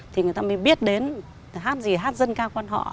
thì người ta mới biết đến hát gì hát dân ca quan họ